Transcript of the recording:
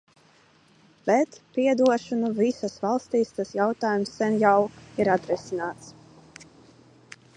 Bet, piedošanu, visās valstīs tas jautājums sen jau ir atrisināts!